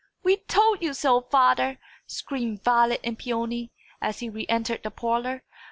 "We told you so, father!" screamed Violet and Peony, as he re entered the parlour.